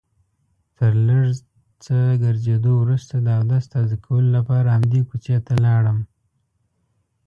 تر لږ څه ګرځېدو وروسته د اودس تازه کولو لپاره همدې کوڅې ته لاړم.